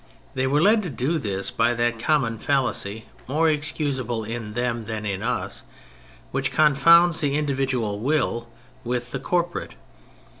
They were led to do this by that common fallacy, more excusable in them than in us, which confounds the individual will with the cor porate.